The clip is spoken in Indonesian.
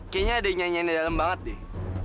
kayanya ada yang nyanyiinnya dalam banget deh